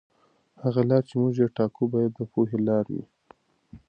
هغه لاره چې موږ یې ټاکو باید د پوهې لاره وي.